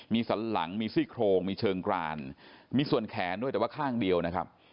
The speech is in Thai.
มีสันหลังมีซี่โครงมีเชิงกรานมีส่วนแขนด้วยแต่ว่าข้างเดียวนะครับ